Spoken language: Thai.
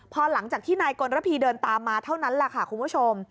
พอหลังจากที่นายกลระพีเดินตามมาเท่านั้นแหละค่ะคุณผู้ชม